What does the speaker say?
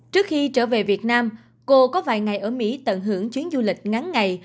trước khi trở về việt nam cô có vài ngày ở mỹ tận hưởng chuyến du lịch ngắn ngày